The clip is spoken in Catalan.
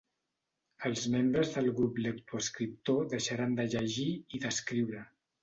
Els membres del grup lectoescriptor deixaran de llegir i d'escriure.